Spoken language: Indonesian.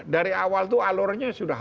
dari awal itu alurnya sudah